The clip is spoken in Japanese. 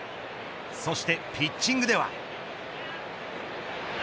そしてピッチングでは。